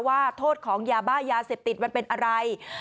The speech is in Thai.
ว่าโทษของยาบ้ายาเสพติดมันเป็นอะไร